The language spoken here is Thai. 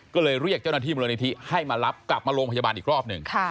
ก็เลยเรียกเจ้าหน้าที่มูลนิธิให้มารับกลับมาโรงพยาบาลอีกรอบหนึ่ง